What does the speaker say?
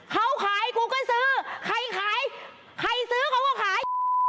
เขาขายกูก็ซื้อใครขายใครซื้อเขาก็ขาย